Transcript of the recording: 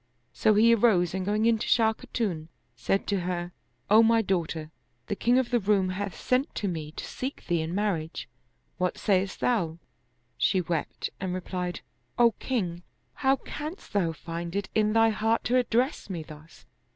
So he arose and going in to Shah Khatun, said to her, " O my daughter, the king of the Roum hath sent to me to seek thee in marriage. What sayest thou?" She wept and replied, ''O king, how canst tfiou find it in thy heart to address me thus?